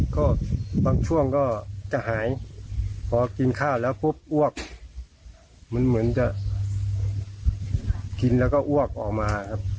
ก็บางช่วงก็จะหายพอกินข้าวแล้วปุ๊บอ้วกมันเหมือนจะกินแล้วก็อ้วกออกมาครับ